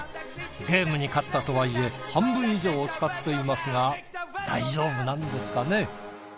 ゲームに勝ったとはいえ半分以上を使っていますが大丈夫なんですかね？